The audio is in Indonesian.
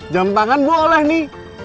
jampangan gue oleh nih